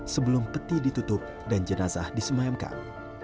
sebelum peti ditutup dan jenazah disemayamkan